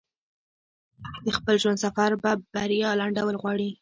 د خپل ژوند سفر په بريا لنډول غواړي.